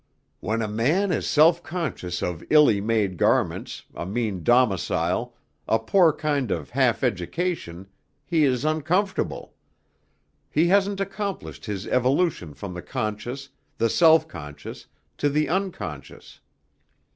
When a man is self conscious of illy made garments, a mean domicile, a poor kind of half education, he is uncomfortable; he hasn't accomplished his evolution from the conscious, the self conscious, to the unconscious.